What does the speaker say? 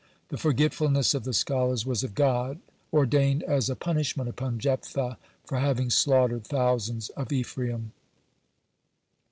The forgetfulness of the scholars was of God, ordained as a punishment upon Jephthah for having slaughtered thousands of Ephraim.